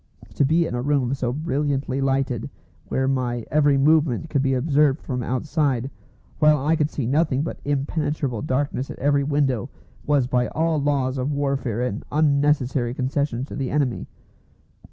To be in a room so brilliantly lighted, where my every movement could be observed from outside, while I could see nothing but impenetrable darkness at every window, was by all laws of warfare an unnecessary concession to the enemy.